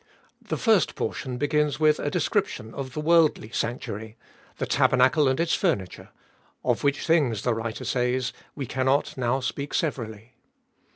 The first portion begins with a description of the worldly sanctuary, the tabernacle and its furniture, of which things, the writer says, we cannot now speak severally.